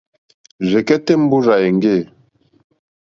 Rzɛ̀kɛ́tɛ́ mbúrzà èŋɡê.